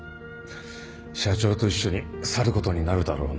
社長と一緒に去ることになるだろうな。